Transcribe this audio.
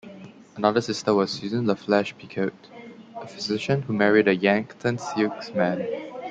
Another sister was Susan LaFlesche Picotte, a physician who married a Yankton Sioux man.